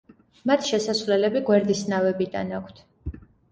მათ შესასვლელები გვერდის ნავებიდან აქვთ.